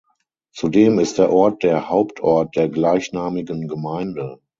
Zudem ist der Ort der Hauptort der gleichnamigen Gemeinde.